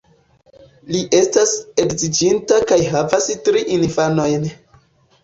Li estas edziĝinta kaj havas tri infanojn.